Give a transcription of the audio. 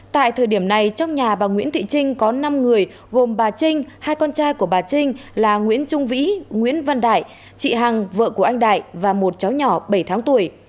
tại thời điểm này trong nhà bà nguyễn thị trinh có năm người gồm bà trinh hai con trai của bà trinh là nguyễn trung vĩ nguyễn văn đại chị hằng vợ của anh đại và một cháu nhỏ bảy tháng tuổi